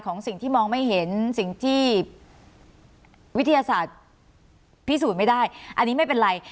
สิ่งที่มองไม่เห็นสิ่งที่วิทยาศาสตร์พิสูจน์ไม่ได้อันนี้ไม่เป็นไร